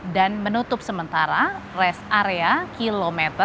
dan menutup sementara rest area kilometer lima puluh tujuh